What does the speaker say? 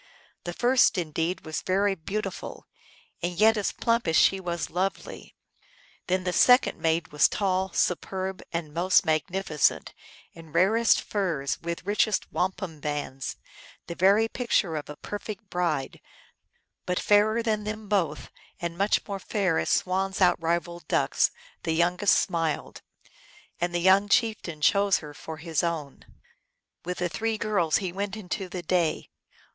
The first, indeed, was very beautiful, and yet as plump as she was lovely ; then the second maid was tall, superb, and most magnificent, in rarest furs, with richest wampum bands, the very picture of a perfect bride ; but fairer than them both, as much more fair as swans outrival ducks, the youngest smiled. And the young chieftain chose her for his own. 316 THE ALGONQUIN LEGENDS. With the three girls he went into the day.